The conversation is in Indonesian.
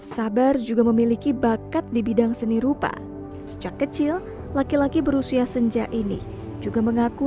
sabar juga memiliki bakat di bidang seni rupa sejak kecil laki laki berusia senja ini juga mengaku